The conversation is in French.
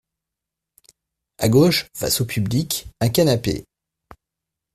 À gauche, face au public, un canapé.